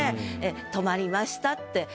止まりましたって。